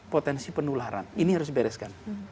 potensi penularan ini harus dibereskan